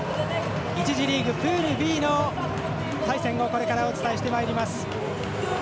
１次リーグ、プールＢの対戦をこれからお伝えしてまいります。